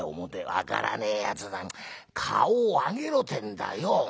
「分からねえやつだな顔を上げろってんだよ」。